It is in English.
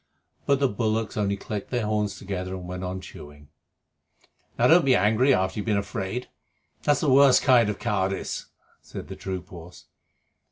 But the bullocks only clicked their horns together and went on chewing. "Now, don't be angry after you've been afraid. That's the worst kind of cowardice," said the troop horse.